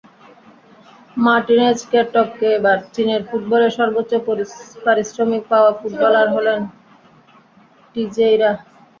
মার্টিনেজকে টপকে এবার চীনের ফুটবলে সর্বোচ্চ পারিশ্রমিক পাওয়া ফুটবলার হলেন টিজেইরা।